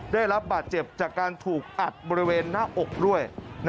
ได้รับบาดเจ็บจากการถูกอัดบริเวณหน้าอกด้วย